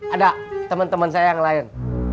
ada temen temen saya yang lain